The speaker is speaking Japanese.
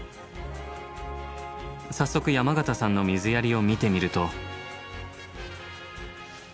早速山方さんの水やりを見てみると。